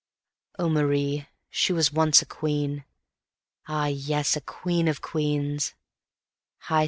Oh Marie, she was once a queen ah yes, a queen of queens.